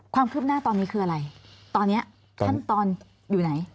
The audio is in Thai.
ความคืบหน้าตอนนี้คืออะไรตอนนี้ขั้นตอนอยู่ไหน